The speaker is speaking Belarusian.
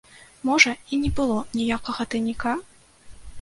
Можа, і не было ніякага тайніка?